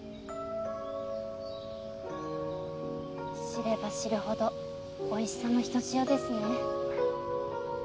知れば知るほどおいしさもひとしおですね。